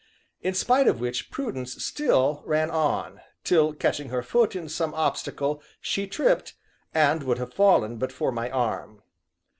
In spite of which Prudence still ran on till, catching her foot in some obstacle, she tripped, and would have fallen but for my arm.